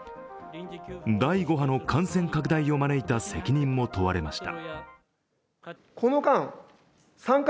第５波の感染拡大を招いた責任も問われました。